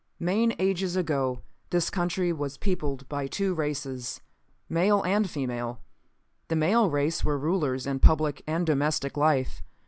"Main ages ago this country was peopled by two races male and female. The male race were rulers in public and domestic life.